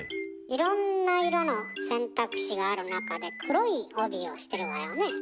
いろんな色の選択肢がある中で黒い帯をしてるわよね。